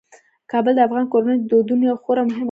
کابل د افغان کورنیو د دودونو یو خورا مهم عنصر دی.